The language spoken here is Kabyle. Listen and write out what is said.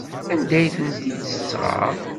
Anda ay tent-id-tesɣa?